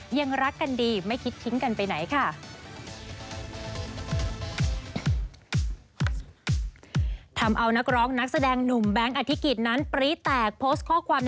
ยังรักกันดีไม่คิดทิ้งกันไปไหนค่ะ